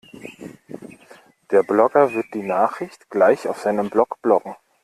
Der Blogger wird die Nachricht gleich auf seinem Blog bloggen.